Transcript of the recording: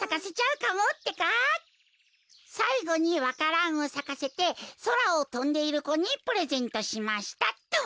「さいごにわからんをさかせてそらをとんでいる子にプレゼントしました」っと。